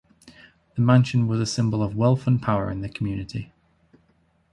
The mansion was a symbol of wealth and power in the community.